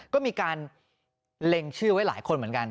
ก็มีการเล็งชื่อไว้หลายคนเหมือนกัน